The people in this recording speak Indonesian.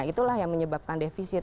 itulah yang menyebabkan defisit